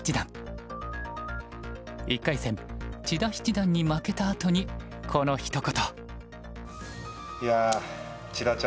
１回戦千田七段に負けたあとにこのひと言。